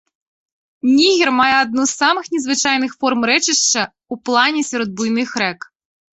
Нігер мае адну з самых незвычайных форм рэчышча ў плане сярод буйных рэк.